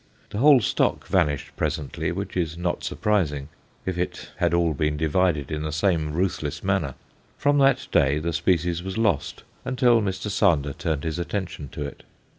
The whole stock vanished presently, which is not surprising if it had all been divided in the same ruthless manner. From that day the species was lost until Mr. Sander turned his attention to it.